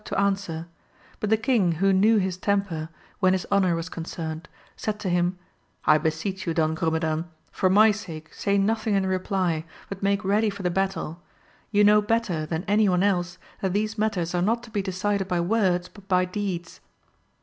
51 to answer, but the king who knew his temper, when his honour was concerned, said to him, I beseech you Don Grumedan, for my sake say nothing in reply, but make ready for the battle ; you know better than any one else, that these matters are not to be decided by words, but by deeds.